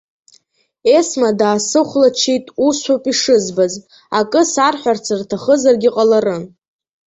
Есма даасыхәлаччеит усшәоуп ишызбаз, акы сарҳәарц рҭахызаргьы ҟаларын.